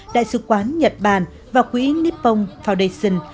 đại sứ quán nhật bản và quỹ nippon foundation